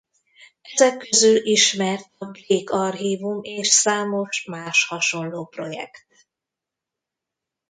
Ezek közül ismert a Blake Archívum és számos más hasonló projekt.